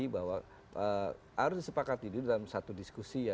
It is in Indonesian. bahwa harus disepakati dulu dalam satu diskusi ya